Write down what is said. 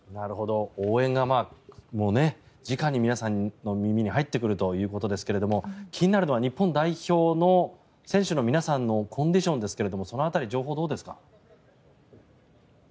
応援が直に皆さんの耳に入ってくるということですが気になるのは日本代表の選手の皆さんのコンディションですがその辺り、情報どうですか？